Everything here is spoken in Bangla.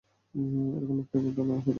এরকম একটা ঘটনা আমার সাথেও ঘটেছে!